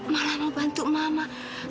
malah mau bantu mama